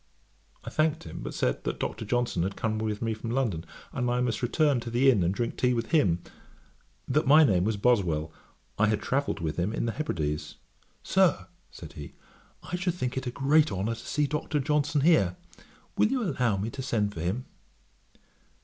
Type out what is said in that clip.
I thanked him, but said, that Dr. Johnson had come with me from London, and I must return to the inn and drink tea with him; that my name was Boswell, I had travelled with him in the Hebrides. 'Sir, (said he) I should think it a great honour to see Dr. Johnson here. Will you allow me to send for him?'